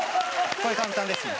これ簡単ですね。